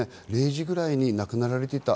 ０時ぐらいに亡くなられていた。